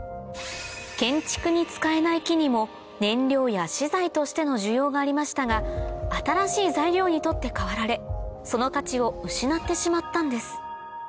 建築に使えない木にも燃料や資材としての需要がありましたが新しい材料に取って代わられその価値を失ってしまったんです